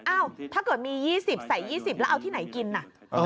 ถ้าเกิดมี๒๐ใส่๒๐แล้วเอาที่ไหนกินน่ะ